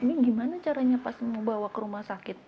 ini gimana caranya pas mau bawa ke rumah sakit